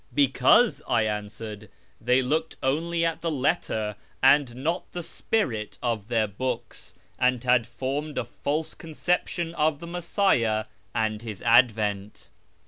"" Because," I answered, " they looked only at the letter and not the spirit of their books, and had formed a false con ception of the Messiah and his advent."